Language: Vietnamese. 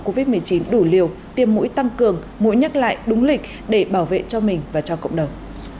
covid một mươi chín đủ liều tiêm mũi tăng cường mũi nhắc lại đúng lịch để bảo vệ cho mình và cho cộng đồng